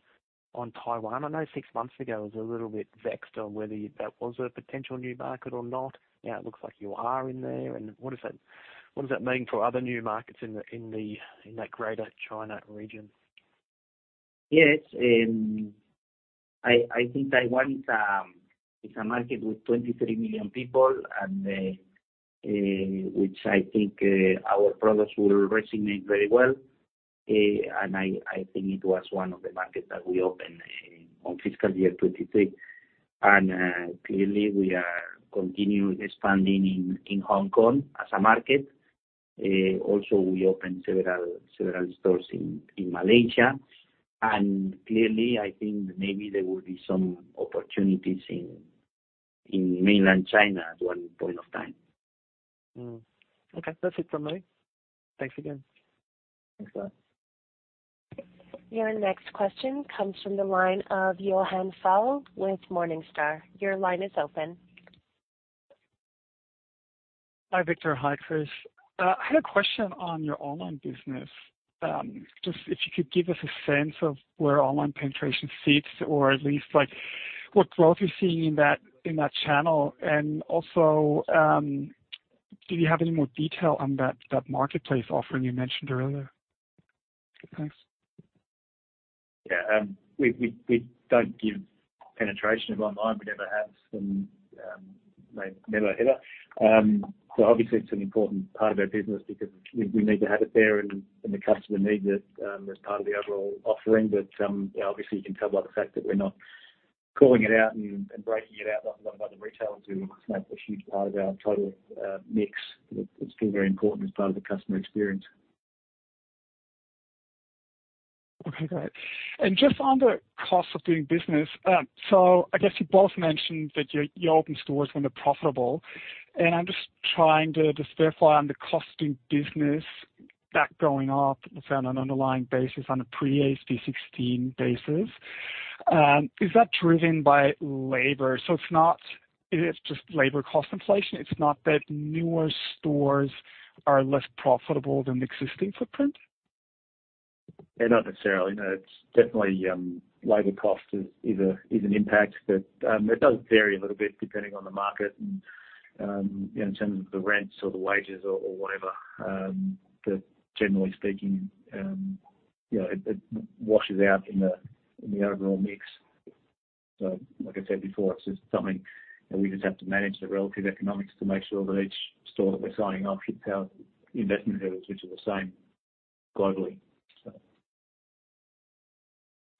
on Taiwan? I know six months ago it was a little bit vexed on whether that was a potential new market or not. Now it looks like you are in there. And what does that, what does that mean for other new markets in the, in the, in that Greater China region? Yes, I think Taiwan is a market with 23 million people, and which I think our products will resonate very well. And I think it was one of the markets that we opened on fiscal year 2023. And clearly, we are continuing expanding in Hong Kong as a market. Also, we opened several stores in Malaysia, and clearly, I think maybe there will be some opportunities in mainland China at one point of time. Mm. Okay, that's it for me. Thanks again. Thanks a lot. Your next question comes from the line of Johannes Faul with Morningstar. Your line is open. Hi, Victor. Hi, Chris. I had a question on your online business. Just if you could give us a sense of where online penetration sits, or at least like what growth you're seeing in that, in that channel. And also, do you have any more detail on that, that marketplace offering you mentioned earlier? Thanks. Yeah, we don't give penetration of online. We never have, and may never, ever. So obviously it's an important part of our business because we need to have it there and the customer needs it as part of the overall offering. But yeah, obviously, you can tell by the fact that we're not- ... calling it out and breaking it out like a lot of other retailers do, it's not a huge part of our total mix. It's still very important as part of the customer experience. Okay, great. Just on the cost of doing business. So I guess you both mentioned that you open stores when they're profitable, and I'm just trying to just verify on the cost of doing business, that going up, it's on an underlying basis, on a pre-AASB 16 basis. Is that driven by labor? So it's not, it's just labor cost inflation, it's not that newer stores are less profitable than the existing footprint? Yeah, not necessarily. No, it's definitely, labor cost is, is a, is an impact, but, it does vary a little bit depending on the market and, you know, in terms of the rents or the wages or, or whatever. But generally speaking, you know, it, it washes out in the, in the overall mix. So like I said before, it's just something that we just have to manage the relative economics to make sure that each store that we're signing off hits our investment hurdles, which are the same globally, so.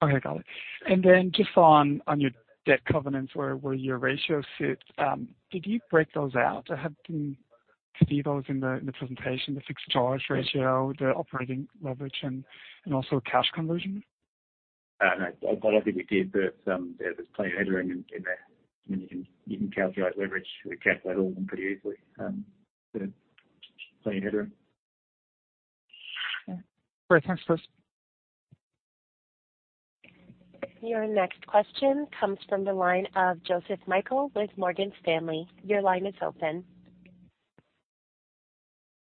Okay, got it. And then just on your debt covenants, where your ratio sits, did you break those out? I had seen those in the presentation, the fixed charge ratio, the operating leverage, and also cash conversion. No, I don't think we did, but there was plenty of headroom in there. I mean, you can calculate leverage. We calculate all of them pretty easily, so plenty of headroom. Great, thanks, Chris. Your next question comes from the line of Joseph Michael with Morgan Stanley. Your line is open.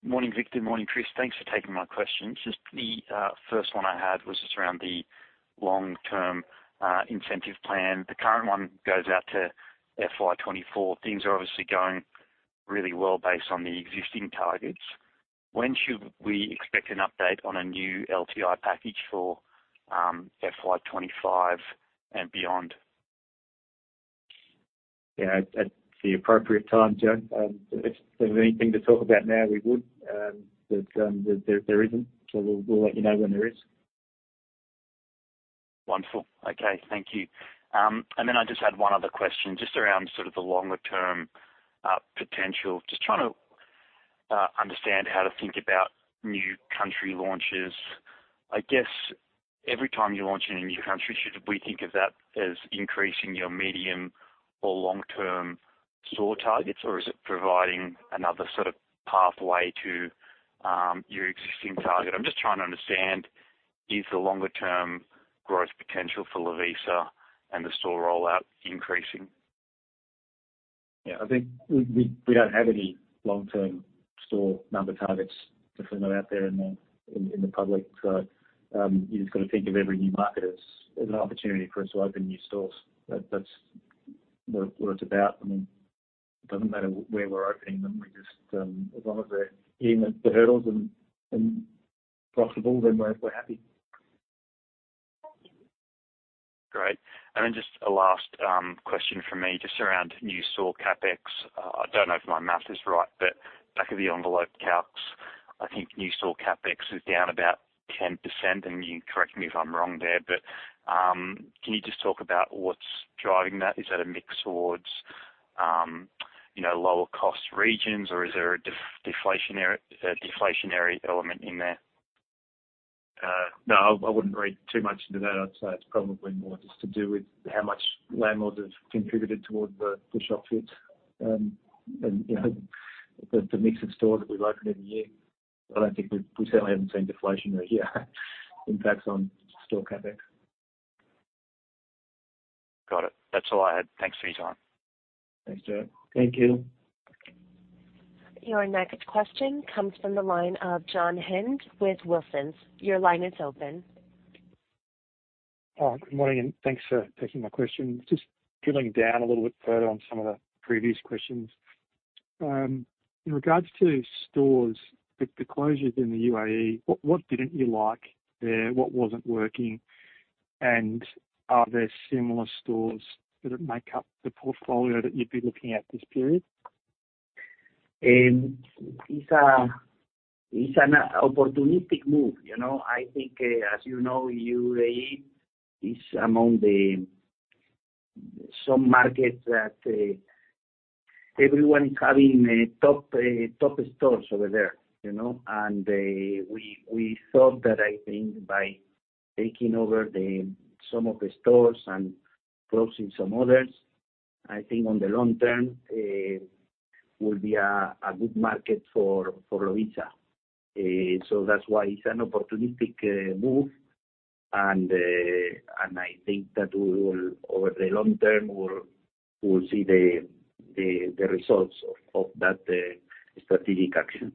Morning, Victor. Morning, Chris. Thanks for taking my questions. Just the first one I had was just around the long-term incentive plan. The current one goes out to FY 2024. Things are obviously going really well based on the existing targets. When should we expect an update on a new LTI package for FY 2025 and beyond? Yeah, at the appropriate time, Joe. If there was anything to talk about now, we would, but there isn't. So we'll let you know when there is. Wonderful. Okay, thank you. And then I just had one other question, just around sort of the longer term potential. Just trying to understand how to think about new country launches. I guess every time you launch in a new country, should we think of that as increasing your medium or long-term store targets, or is it providing another sort of pathway to your existing target? I'm just trying to understand, is the longer term growth potential for Lovisa and the store rollout increasing? Yeah, I think we don't have any long-term store number targets. Definitely not out there in the public. So, you just got to think of every new market as an opportunity for us to open new stores. That's what it's about. I mean, it doesn't matter where we're opening them. We just, as long as they're hitting the hurdles and profitable, then we're happy. Great. And then just a last question from me, just around new store CapEx. I don't know if my math is right, but back of the envelope calcs, I think new store CapEx is down about 10%, and you correct me if I'm wrong there, but can you just talk about what's driving that? Is that a mix towards, you know, lower cost regions, or is there a deflationary element in there? No, I wouldn't read too much into that. I'd say it's probably more just to do with how much landlords have contributed towards the shop fit. And, you know, the mix of stores that we've opened in the year. I don't think we certainly haven't seen deflationary here, impacts on store CapEx. Got it. That's all I had. Thanks for your time. Thanks, Joe. Thank you. Your next question comes from the line of John Hynd with Wilsons. Your line is open. Good morning, and thanks for taking my question. Just drilling down a little bit further on some of the previous questions. In regards to stores, the closures in the UAE, what didn't you like there? What wasn't working? Are there similar stores that make up the portfolio that you'd be looking at this period? It's an opportunistic move, you know. I think, as you know, UAE is among some markets that everyone is having top stores over there, you know. And we thought that, I think by taking over some of the stores and closing some others, I think on the long term will be a good market for Lovisa. So that's why it's an opportunistic move, and I think that we will, over the long term, see the results of that strategic action.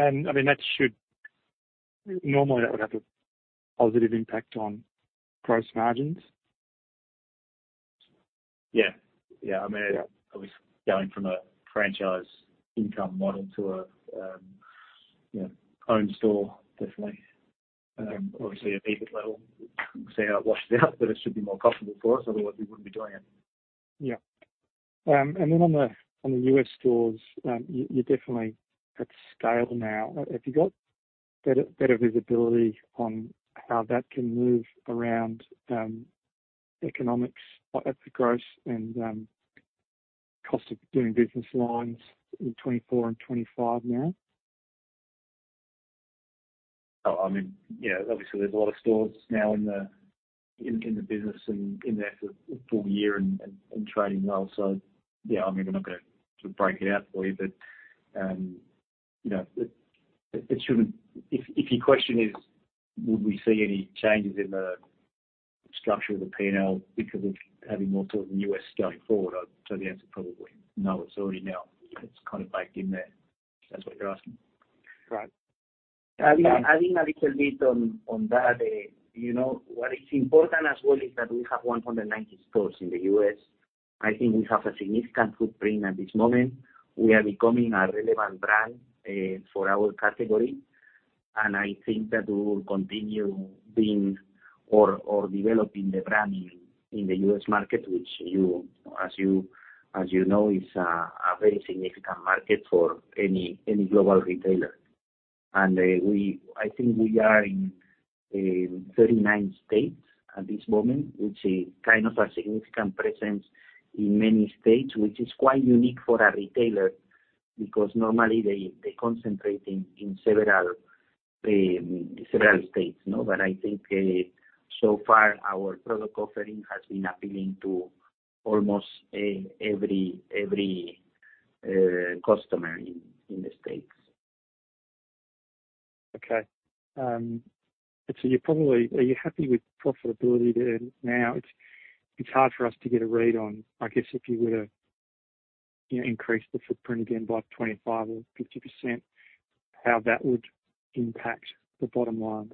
I mean, normally, that would have a positive impact on gross margins? Yeah. Yeah, I mean- Yeah. Obviously, going from a franchise income model to a, you know, own store, definitely. Obviously, at EBIT level, we'll see how it washes out, but it should be more profitable for us, otherwise we wouldn't be doing it. Yeah, and then on the U.S. stores, you're definitely at scale now. Have you got better visibility on how that can move around economics at the gross and cost of doing business lines in 2024 and 2025 now? Oh, I mean, yeah, obviously there's a lot of stores now in the business and in there for a full year and trading well. So, yeah, I mean, we're not going to break it out for you, but, you know, it shouldn't. If your question is, would we see any changes in the structure of the P&L because of having more stores in the U.S. going forward? I'd say the answer is probably no. It's already now, it's kind of baked in there. If that's what you're asking. Right. Adding a little bit on that, you know, what is important as well is that we have 190 stores in the US. I think we have a significant footprint at this moment. We are becoming a relevant brand for our category, and I think that we will continue being or developing the brand in the US market, which you know is a very significant market for any global retailer. And I think we are in 39 states at this moment, which is kind of a significant presence in many states, which is quite unique for a retailer because normally they concentrate in several states, you know. But I think so far our product offering has been appealing to almost every customer in the States. Okay. So you're probably... Are you happy with profitability there now? It's hard for us to get a read on. I guess if you were to, you know, increase the footprint again by 25% or 50%, how that would impact the bottom line?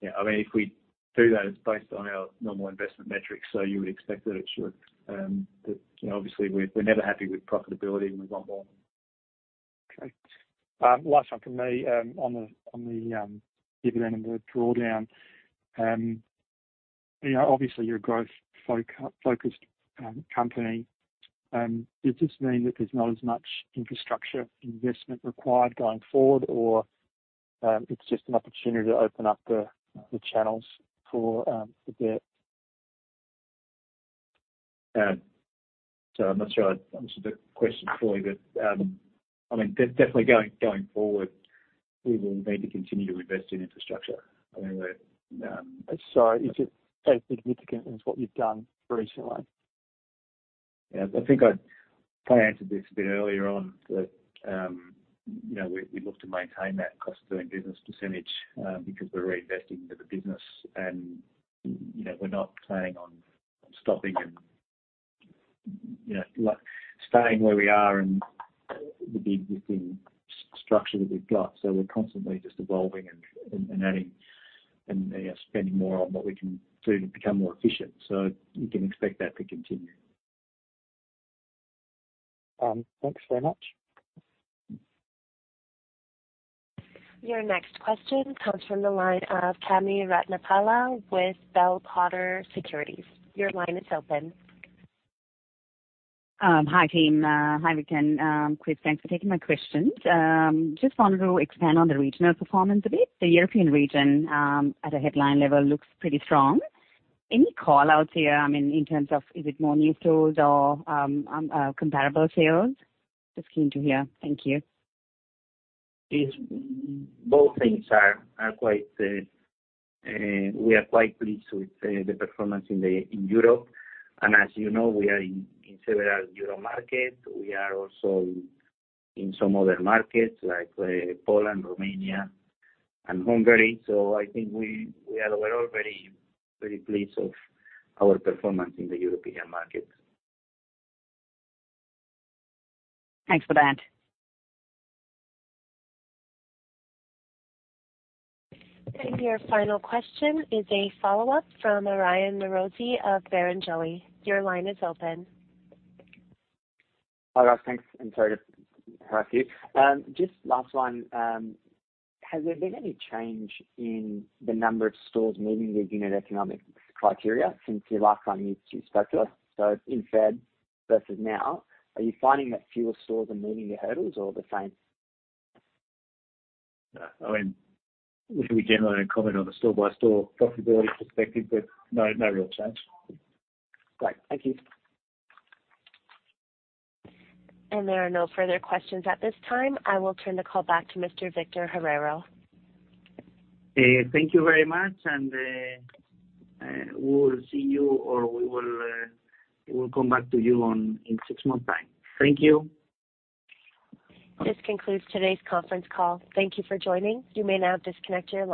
Yeah, I mean, if we do that, it's based on our normal investment metrics, so you would expect that it should, you know, obviously, we're never happy with profitability. We want more. Okay. Last one from me, on the dividend and the drawdown. You know, obviously, you're a growth-focused company. Does this mean that there's not as much infrastructure investment required going forward, or it's just an opportunity to open up the channels for the debt? So I'm not sure I answered the question for you, but I mean, definitely going forward, we will need to continue to invest in infrastructure. I mean, we're- Sorry, is it as significant as what you've done recently? Yeah, I think I kind of answered this a bit earlier on, that, you know, we look to maintain that cost of doing business percentage, because we're reinvesting into the business and, you know, we're not planning on stopping and, you know, like, staying where we are and with the, with the structure that we've got. So we're constantly just evolving and adding, and, yeah, spending more on what we can do to become more efficient. So you can expect that to continue. Thanks very much. Your next question comes from the line of Chami Ratnapala with Bell Potter Securities. Your line is open. Hi, team. Hi, Victor. Quick, thanks for taking my questions. Just wanted to expand on the regional performance a bit. The European region, at a headline level, looks pretty strong. Any callouts here? I mean, in terms of, is it more new stores or comparable sales? Just keen to hear. Thank you. We are quite pleased with the performance in Europe. As you know, we are in several European markets. We are also in some other markets like Poland, Romania, and Hungary. So I think we are overall very, very pleased of our performance in the European markets. Thanks for that. Your final question is a follow up from Aryan Norozi of Barrenjoey. Your line is open. Hi, guys, thanks, and sorry to harass you. Just last one, has there been any change in the number of stores meeting the unit economic criteria since the last time you spoke to us? So in Feb versus now, are you finding that fewer stores are meeting your hurdles or the same? I mean, we generally comment on a store-by-store profitability perspective, but no, no real change. Great. Thank you. There are no further questions at this time. I will turn the call back to Mr. Victor Herrero. Thank you very much, and we will see you or we will come back to you on in six months time. Thank you. This concludes today's conference call. Thank you for joining. You may now disconnect your line.